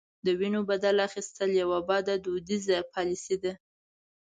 د وینو بدل اخیستل یوه بده دودیزه پالیسي ده.